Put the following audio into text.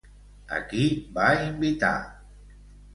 A qui va invitar?